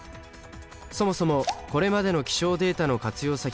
そもそもこれまでの気象データの活用